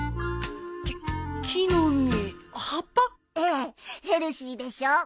ええヘルシーでしょ？